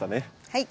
はい。